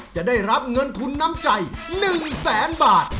จะได้รับเงินทุนน้ำใจ๑แสนบาท